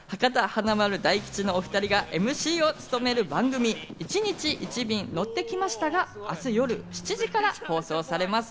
華丸・大吉のお２人がＭＣを務める番組『１日１便乗ってきました』が明日夜７時から放送されます。